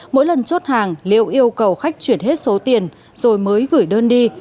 mỗi lần chốt hàng liễu yêu cầu khách chuyển hết số tiền rồi mới gửi đơn đi